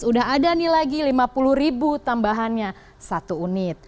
sudah ada nih lagi lima puluh ribu tambahannya satu unit